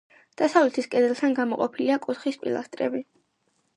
დასავლეთის კედელთან გამოყოფილია კუთხის პილასტრები.